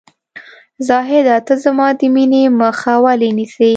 زاهده ! ته زما د مینې مخه ولې نیسې ؟